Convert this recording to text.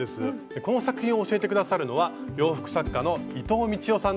この作品を教えて下さるのは洋服作家の伊藤みちよさんです。